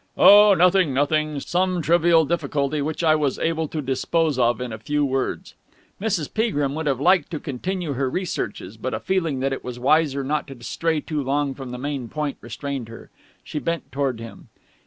"Oh, nothing, nothing. Some trivial difficulty, which I was able to dispose of in a few words." Mrs. Peagrim would have liked to continue her researches, but a feeling that it was wiser not to stray too long from the main point restrained her. She bent towards him.